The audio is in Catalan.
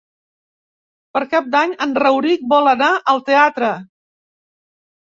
Per Cap d'Any en Rauric vol anar al teatre.